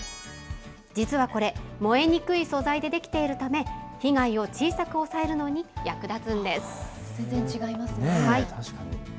実はこれ、燃えにくい素材で出来ているため、被害を小さく抑えるのに役立つんです。